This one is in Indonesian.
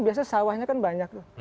biasa sawahnya kan banyak